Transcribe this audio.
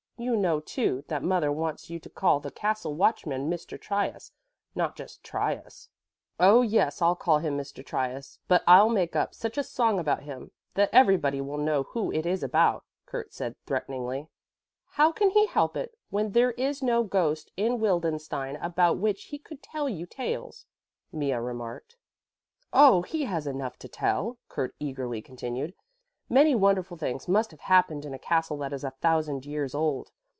You know, too, that mother wants you to call the castle watchman Mr. Trius and not just Trius." "Oh, yes, I'll call him Mr. Trius, but I'll make up such a song about him that everybody will know who it is about," Kurt said threateningly. "How can he help it when there is no ghost in Wildenstein about which he could tell you tales," Mea remarked. "Oh, he has enough to tell," Kurt eagerly continued. "Many wonderful things must have happened in a castle that is a thousand years old.